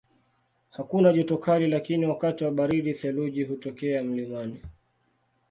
Hakuna joto kali lakini wakati wa baridi theluji hutokea mlimani.